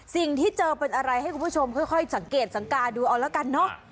สิ่งที่เจอเป็นอะไรให้คุณผู้ชมค่อยสังเกตสังกาดูเอาแล้วกันเนอะ